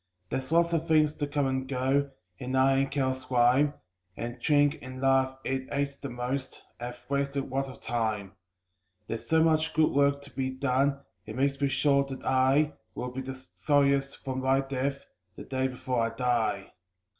There's lots of things to come and go, and I, in careless rhyme, And drink and love (it wastes the most) have wasted lots of time. There's so much good work to be done it makes me sure that I Will be the sorriest for my death, the day before I die.